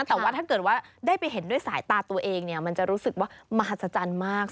แต่ว่าถ้าเกิดว่าได้ไปเห็นด้วยสายตาตัวเองเนี่ยมันจะรู้สึกว่ามหัศจรรย์มาก